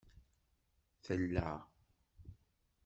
Tella